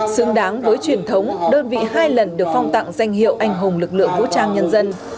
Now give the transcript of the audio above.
xứng đáng với truyền thống đơn vị hai lần được phong tặng danh hiệu anh hùng lực lượng vũ trang nhân dân